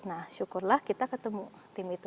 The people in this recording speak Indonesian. nah syukurlah kita ketemu tim itu